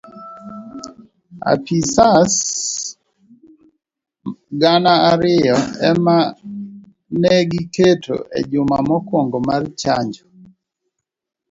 Apisas gana ariyo emane gigeto ejuma mokuongo mar chanjo.